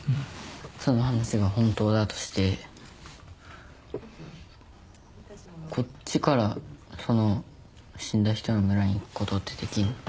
その話が本当だとしてこっちからその死んだ人の村に行くことってできるの？